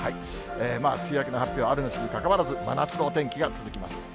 梅雨明けの発表あるなしにかかわらず、真夏のお天気が続きます。